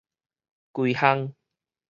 整巷